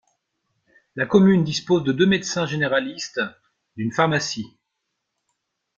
La commune dispose de deux médecins généralistes, d'une pharmacie.